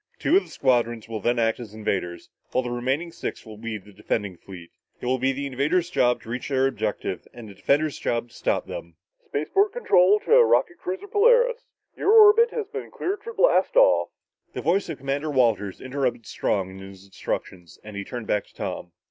Two of the squadrons will then act as invaders while the remaining six will be the defending fleet. It will be the invaders' job to reach their objective and the defenders' job to stop them." "Spaceport control to rocket cruiser Polaris, your orbit has been cleared for blast off...." The voice of Commander Walters interrupted Strong in his instructions and he turned back to Tom.